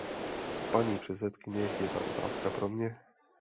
Paní předsedkyně, je ta otázka pro mě?